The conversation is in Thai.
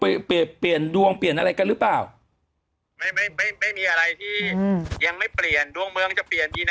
ไม่มีอะไรที่ยังไม่เปลี่ยนดวงเมืองจะเปลี่ยนปีนาปีหน้า